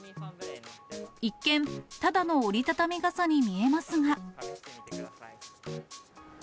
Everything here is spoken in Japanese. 一見、ただの折り畳み傘に見えますが。